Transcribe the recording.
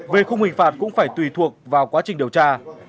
về khung hình phạt cũng phải tùy thuộc vào quá trình điều tra